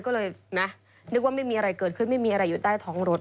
ก็เลยนะนึกว่าไม่มีอะไรเกิดขึ้นไม่มีอะไรอยู่ใต้ท้องรถ